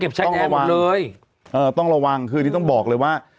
เออต้องระวั่งต้องบอกเลยว่า